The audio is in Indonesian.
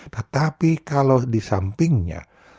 tetapi kalau di sampingnya